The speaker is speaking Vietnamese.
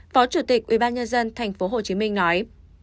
phó chủ tịch ubnd tp hcm nói